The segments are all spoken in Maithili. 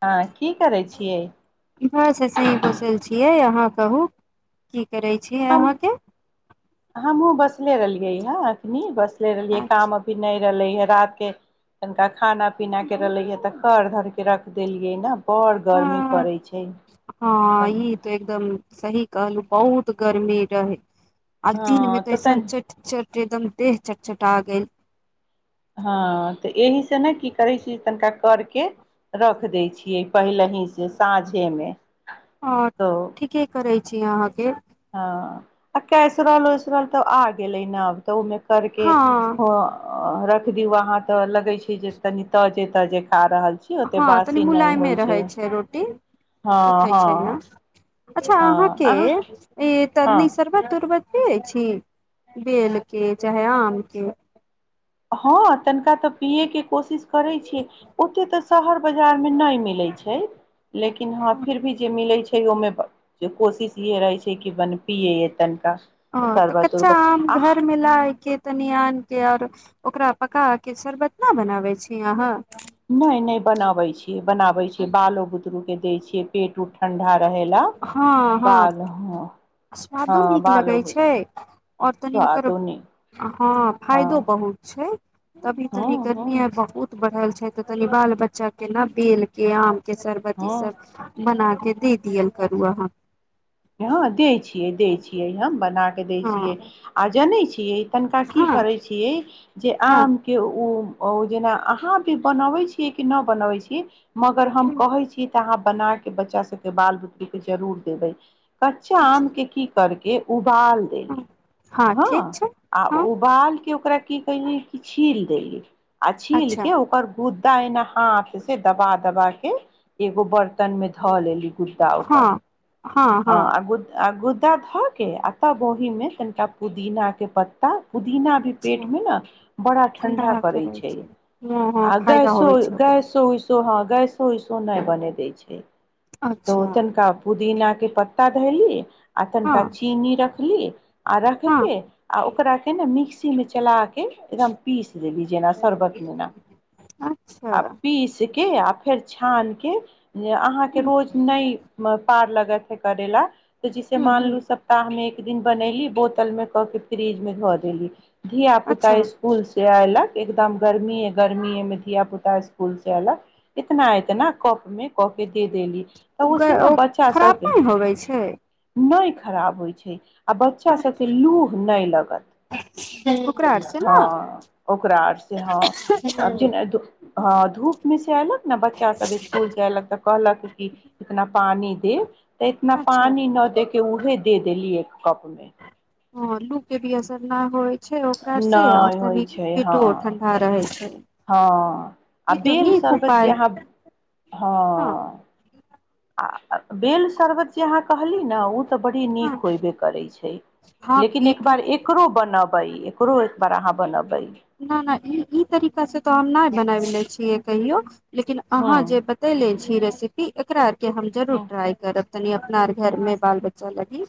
आ वास सही बैसल छियै अहाँ कहू की करै छी अहाँके बस ले रहलियै ह अखनी बस रहलियै काम अभी नहि रहले ह रात के तनिका खाना पीना के रहले ह तऽ कर धर के रख देलियै न बड़ गर्मी हँ पड़ै छै ई तऽ एकदम सही कहलहु बहुत गर्मी रहै अ हँ दीनमे तऽ कैसन तनि चट चट एकदम देह चट चटा गेल हँ तऽ एहिसँ ने की करै छी तनिका करके के रख दै छी पहिले हीसँ साँझेमे और तऽ ठीके करै छी अहाँके हँ आ कैसराल ओसरल तऽ आ गेल लै नाव तऽ ओमे करके हँ रख द वहाँ त अलग छै जे तनी तऽ जेतऽ जे खा रहल छी ओते हँ तनि बासी नहि मुलायमे होइ छै रहै रोटी हँ सुखै हँ छै ने अच्छा हँ अहाँके अहाँ ई तनि हँ सरबत उरबत पिय छी बेलके चाहे आम के हँ तनिका तऽ पियैके कोशिश करैत छीियै ओतेक तऽ शहर बाजारमे नहि मिलैत छै लेकिन हँ फिर भी जे मिले छै ओमे कोशिश इहे रहै छै कि बन पिये तनि ओ तऽ कच्चा आम घरमे लाएके तनी आमे के आऔर ओकरा पका के शरबत न बनाबै छी अहाँ नहि नहि बनाबै छी बनावे छै बालो बुतरु के देय छै के पेट उठ हँ हँ हँ स्वादो हँ नीक लगै बालो छै और तनी ओकर स्वादो नहि हँ हँ फायदो बहुत छै तभी तनी हूँ हूँ गर्मी बहुत बढ़ल छै हे त कनि बाल बच्चा के ने बेल के आम के शर्बत ई हँ सब बना के से पियल करू अहाँ हँ दै छियै दै छियै हम बना कऽ दैत छियै हँ आ जनै छियै कि तनिका की हँ करै छियै जे हँ आमके ओ ओ जेना अहाँ भी बनबैत छियै कि नहि बनबैत छीियै मगर हम कहै छी तऽ अहाँ बना के बच्चा सबके बाल बतरू के जरूर देबै कच्चा अच्छा आम के की करके ए उ उबाल देली हँ ठीक हँ छै आ हँ उबालके ओकरा की कहल कि छील देली आ छििल अच्छा के ओकर गुदा त एना हाथ से दबा दबा के एगो बर्तन तन मे ध लेली गुदा हँ ओकर हँ गुदा गु प धऽ के आ तऽ ओहि मे कनिका पुदीना के पत्ता पुदीना भी पेट अच्छा में न बड़ा ठंडा करे करै छै हँ हँ आ फायदा गैसो होबै छै ओकरो गैसो उसो ह गैसो उैसो नहि बन दै छै तो अच्छा तनका पुदीना पत्ता धैली आ हँ तननका चीनी रख की आ राख हँ के आ ओकरा के ने मिक्स मिक्सी मे चला एकदम पीस दे ली न शरबतमे न अच्छा आ पीस के आ फेर छान के जे अहाँके ह रोज नहि पार लक करैला तऽ जिसे ह ह मानलू सप्ताहमे एक दिन बनैली बोतल में कऽ के फ्रिज मे धऽ देली धिया अच्छा पुता स्कूल से ऐलक एकदम गर्मीए गर्मीे में धिया पुता स्कूल से एलक इतना एतना कप में क के दे देली तऽ ग ओहिसे ओ ने बच्चा खराब सबके नहि होबै छै नहि खराब होइ छै आ बच्चा सबके अच्छा लूह नहि लगत ओकरा आर से हँ ने ओकरा आर से हँ आब जेना ह धूप मिस आल ने बच्चा सब स्कुल से अयलक तऽ कहलक कि इतना पानी दे तऽ इतना अच्छा पानी न देके उहे दे देलियै कपमे ह लू के भी असर ना होय छै ओकरा से आऔर नहि होइ तनि छै हँ पिटु ठंडा रहे छै हँ आ ई तो बेल नीक शर्बत उपाय अहाँ हँ आ बेल शरबत जे अहाँ कहली ने उ बी हँ नीक होब करै छै हँ लेकिन पीट एक उट एकरो बन एकरो एक बार अहाँ बनब न नहि ई ई तरीका से त आ नहि बनाब ले छी क कहियौ लेकिन हूँ अहाँ जे बतैेले छी रेसिपी एकरा के हम जरुरर हूँ ट्राई करब तनी अपनार घर मे बाल बच्चा लगे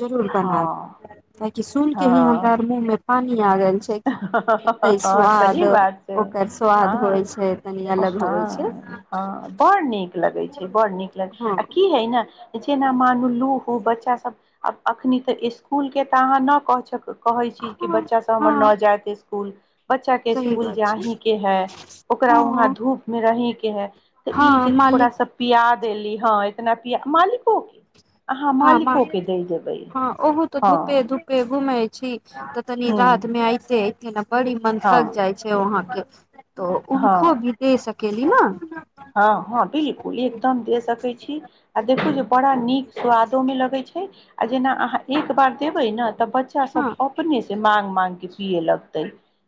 जरूर हँ बनाब ताकि सुन के ही हँ हमरा मुँह मे पान आग छै क ह हँ सही बात छै स्वाद होइ हँ छै तनी अलग होइ छै हँ हँ बड़ नीक लगै छै बड़ नीक लग आ हँ की है ने जेना मानू लू ह बच्चा सब आब अखनी तऽ स्स्कूल के तऽ अहाँ नहि कह सक कहै छी कि हँ बच्चा सब हँ जात सकूल बच्चा के सही स्कूल बात छै जहीं के है ओकरा वहां हँ धूप में रहहि के है तऽ ई हँ जे थोड़ा मालिक सा प्याज देेली हँ इतना पिया मालिको की ह हँ ओह तऽ धूपे हँ धूपे घुमै छी तनी ह रातमे आइत कियाकि हम बड़ी मन थक हँ जाइ छै वहा के तो उनको हँ भी दे सक केली न हँ हँ बिलकुल एकदम दे सकै छी आ देखू जे बड़ा नीक स्वादो मे लगै छै आ जेना अहाँ एक बार देबै न त बच्चा सब हँ अपने जे माग मागके पिये लगतै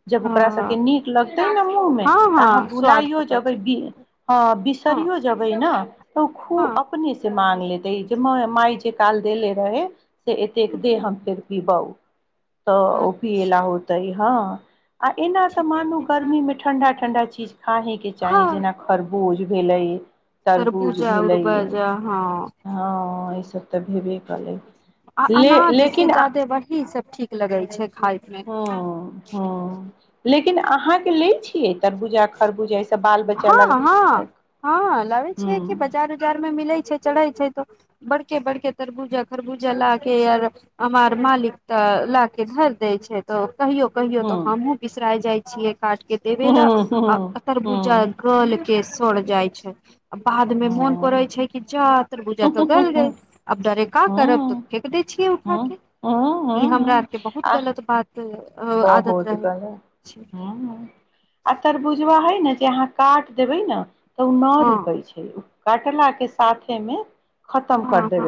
जब ओकरा सभके हँ नीक लगतै न मुँहमे तऽ अहाँ हँ स्वाद भुलाइयौ पता जेबै बी चलतै हँ हँ बिसरियो जेबै न तऽ ओ खूब हँ अपने से माग लेतै जे माय माय जे काल देेले रहै से एतेक दे हम फेर पिबौ तऽ ओ पीए ल अच्छा होते हँ आ एना तऽ मानू गर्मी मे ठंडा ठंडा चीज खा हे के चाही जेना तरबूज भेलै सरबूजा उरबूजा हँ हँ ई सब तऽ भेबे कलै आ ले अनाज से लेकिन आ जादे वही सब ठीक लगै छै खाय मे हँ हँ लेकिन अहाँ के लेय छियै तरबुजा खरबुजा ई सब हँ हँ हँ लाबै छियै कि हँ बाजार उजारमे मिलैत छै चढ़ै छै तऽ बड़के बड़के तरबूजा खरबूजा ला के आर हमार मालिक तऽ ला के धर देय छै तो कहियो कहियो तो हँ हमहुँ बिसरा जाय छिये काट के देबे ल हँ आ हँ हँ तरबुज हँ चा ग लगी के स्वर जाइ छै आ बादमे मोन पड़ैत हँ छै कि जा तरबुजा तऽ गलइ गेल आब डरे का करब हँ तऽ फेेक देय छियै उठा हँ के ई हँ हँ हमरा आर के बहुत आ गलत बात य बहुत त ह अर बुझबा है ने जे अहाँ काट देबै ने तऽ ओ नहि हँ रुकै छै कटला के साथे मे हँ हँ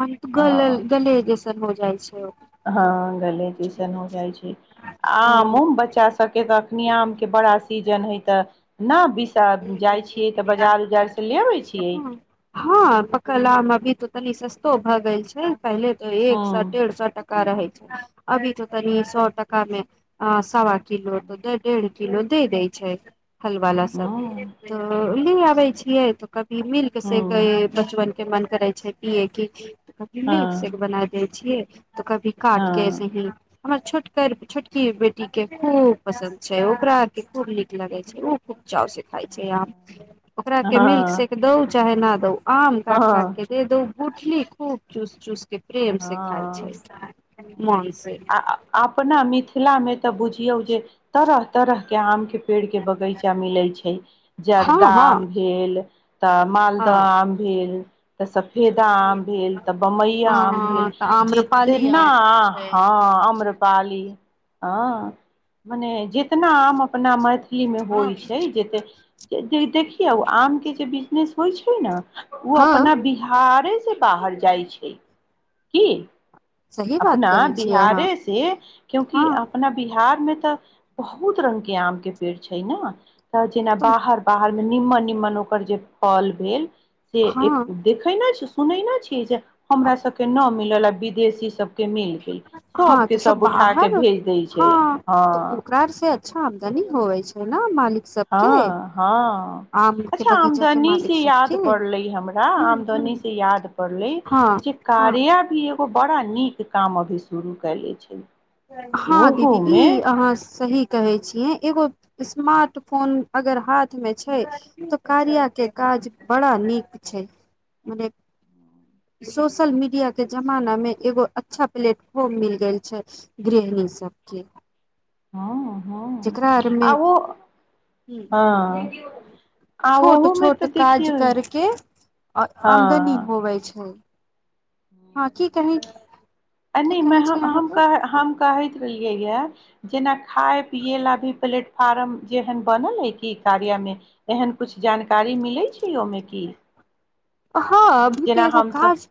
हम त गल हँ गल जे हो जाइ छै हँ गले जइसन हो जाइ छै आमो हँ बच्चा सबके तऽ आमके बड़ा सीजन हइ तऽ नहि त छ बै छिय हँ पकल आम अभी तो तनी सस्तो भए गेल छै पहिले तऽ एक सए हँ डढ़ सए टका रहै अभी तऽ तनी सए टका मे अ सवा किलो तऽ डेढ़ किलो दे दै छै हलवाला सब हँ तऽ ली आबै छियै तऽ की मिल्क से क हँ बचपन के मन करै छै पियए की मिल्क शेक से हँ एक बना दै छियै तऽ कभी काटके ऐसे हँ ही हमर छोट छोटकी बेटी के खूब पसंन्द छै ओकरा आर के खूब निक लगे छै खूब चाावस खाइ छै आ हँ ओकरा के मिल्क हँ सेेक दो चाहे न त आम हँ कााद द उठली खूब चुस चुस के प्रेम सिखाय हँ छै ह आ अपन ने अम मिथिला मे तऽ बुझियौ जे तरह तरहके आमके पेड़ के बगीचा मिलैत छै हँ जरदा हँ आम भेल त मालदह हँ अमभर तऽ सत फेदा आम भेल तऽ बमबइया आम भेल हँ तऽ आम्रपाली जतना आम छै हँ अम्रपाली हँ मने जितना आम अपना मत ई मे हँ होइ छै जे देखियौ आम के जे बिजनेस होइ छै ने ओ अपना बिहार से बाहर जाइ छै की सही बात अपना कहै छी अहाँ बिहारे से क्यूकि हँ अपना बिहारमे तऽ बहुत रंगग के आम के पेड़ छै ने त जेना तऽ बाहर बाहर निमन निमन ओकर जे फल भेल से हँ देखै नहि छै सुनै नहि छी जे हमरा सबके नाम मिलल विदेशी सबके मिल गेल हँ सबके तऽ सब उठा के बाहर भेज दै छै हँ तऽ उकर से अच्छा आमदनी होै छै ने मालिक सबके हँ हँ आम के अच्छा बगीचा के आमदनी से मालिक सबके याद पड़ले हमरा हूँ हूँ आमदनी से याद पड़लै हँ जे हँ कार्य भी बड़ा नीक काम अभी शुरू कयले छै हँ दीदी ओहूमे ई अहाँ सही कहै छियै एगो स्मार्ट फोन अगर हाथ मे छै तऽ कार्य के काज बड़ा नीक छै मने सोशल मीडिया के जमाना मे एगो अच्छा प्लेटफॉर्म मिल गेल छै गृहणी सबके हँ हँ जेकरा आरमे आ ओ हँ आ छोट ओहूमे छोट तऽ काज देखियौ करके हँ आमदनी आ होबै छै हँ की कही आ की नहि कहै छै हम अहाँके कह हम कहैत रहलियै यए जेना खाय पियए ला भी प्लेटफार्म जेहन बनल है कि कार्य मे एहन कुछ जानकारी मिलै छै ओहिमे क हँ अभी तऽ एगो काज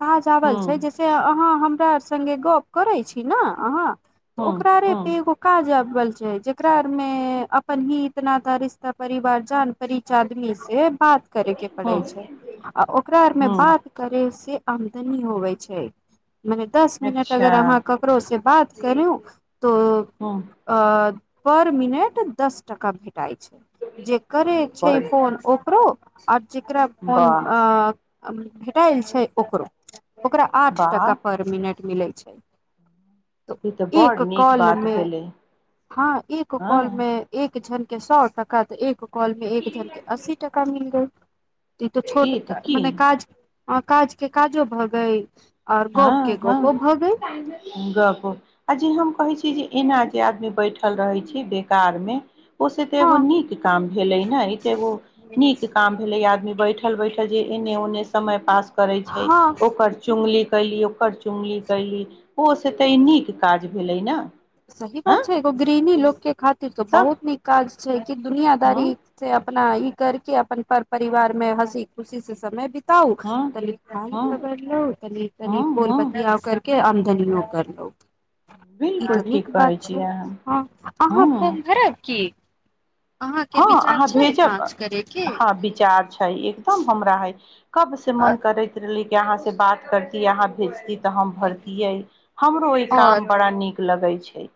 काज आबल हूँ छै जैसे अहाँ हम कर सगे गप करै छी ने अहाँ त हूँ ओकरा रे हूँ पे एगो काज जुड़ल छै जेकरा आर मे अपन ही इतना त रिश्ता परिवार जान परच आदमी से बात करे के हूँ पड़ै छै आ ओकरा आरमे हूँ बात करे से आमदनी होैबै छै मने दस मिनट अगर अच्छा अहाँ ककरो से बात करू तऽ हूँ अ पर मिनट दस टाका मिलत छै जे करै छै बड़ फोन ओकरो आओर जकरा फोन वाह आ आएल छै ओकरो ओकरा आठ वाह टाका पर मिनट मिलै छै त ई तऽ बड़ एक नीक बात कॉलमे भेलै हँ एक हँ कॉलमे एक झंट सए टका तऽ एक कॉल में एक दिन के अस्सी टका मिलतेय ई तऽ छोट की तऽ की मने काज आ काज के काजो भऽ गेलय हँ हँ गप आ जे हम कहै छी जे एना जे आदमी बैठल रहै छै बेकार मे ओ से ते हँ एगो नीक काम भेले ने ई ते एगो नीक काम भेले आदमी बैठ बैठल बैठल जे एन्ने ओन्ने समय पास करै छै हँ ओकर चुगली कयली ओकर चुङ्गली कयली ओ से तऽ ई नीक काज भेलै ने सही हँ बात छै गृहणी लोकके तऽ तब बहुत नीक काज छै हँ दुनियादारी से अपना ई करके अपन पर परिवार मे हँसी खुशी से समय बितबै बताउ हँ तनी कन हँ खबर ल त हँ तनी बोल हँ बतिया करके कनियो करलो ई बिलकुल तो नीक ठीक बात कहै छै छियै अहाँ ह अहाँ फोन हँ धरब की अहाँके हँ विचार अहाँ छै भेजब काज करे के हँ विचार छै एकदम हमरा हइ कब से मन करैत रहली कि यहाँ से बात करती यहाँ भेजती त हम भरतियै हमरो ओहि और काम बड़ा नीक लगे छै छै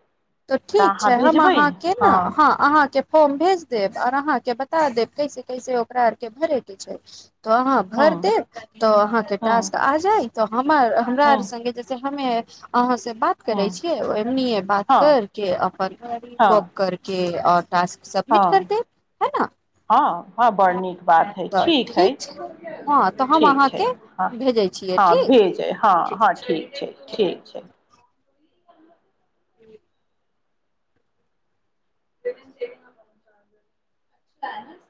तऽ ठीक छै हम अहाँके ने हँ अहाँके हम भेज देब आऔर अहाँके बता देब कैसे कैसे ओकरा आर के भरे के छै तो अहाँ भर हँ देब तो अहाँ के हँ टास्क हँ आ जाय तो हम हमरा आर हँ सगे जसे हमे अहाँ से बात करै हँ छै एम ए बात करके अपन गप हँ करके आओर टास्क सबमिट कर हँ दे है न हँ हँ बड़ नीक बात हइ तऽ ठीक हइ छै हँ तऽ हम ठीक छै अहाँके हँ भेजै छियै हँ ठीक भेजै हँ हँ ठीक छै ठीक छै हुँ [unintelligible] त ने [inaudible]